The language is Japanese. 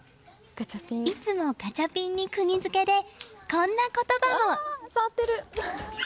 いつもガチャピンにくぎ付けでこんな言葉も。